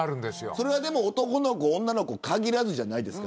それは男の子、女の子限らずじゃないですか。